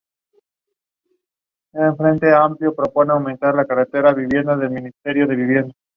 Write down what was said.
Es considerado como el antepasado epónimo de los etolios.